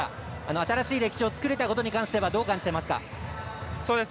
新しい歴史を作れたことに関してどう感じてますか？